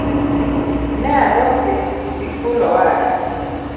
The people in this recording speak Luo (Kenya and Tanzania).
Ne adok e sikul owada